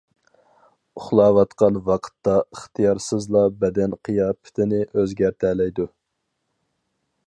ئۇخلاۋاتقان ۋاقىتتا ئىختىيارسىزلا بەدەن قىياپىتىنى ئۆزگەرتەلەيدۇ.